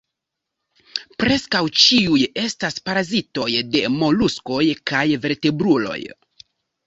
Preskaŭ ĉiuj estas parazitoj de moluskoj kaj vertebruloj.